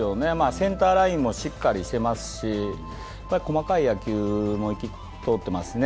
センターラインもしっかりしてますし、細かい野球も通っていますね。